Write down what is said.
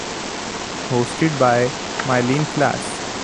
Hosted by Myleene Klass.